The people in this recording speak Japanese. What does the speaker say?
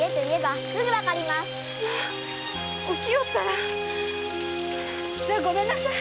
まあおきよったら！じゃごめんなさい！